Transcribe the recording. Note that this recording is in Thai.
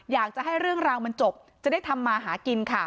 อยากจะให้เรื่องราวมันจบจะได้ทำมาหากินค่ะ